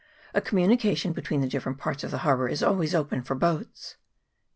A communi cation between the different parts of the harbour is always open for boats.